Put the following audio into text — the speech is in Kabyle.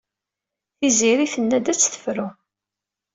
Tiziri tenna-d ad tt-tefru.